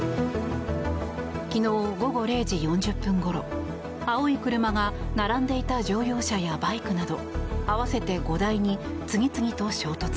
昨日午後０時４０分ごろ青い車が並んでいた乗用車やバイクなど合わせて５台に次々と衝突。